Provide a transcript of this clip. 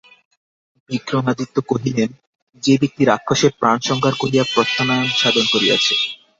বিক্রমাদিত্য কহিলেন, যে ব্যক্তি রাক্ষসের প্রাণসংহার করিয়া প্রত্যানয়ন সাধন করিয়াছে।